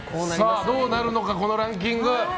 どうなるのか、ランキング。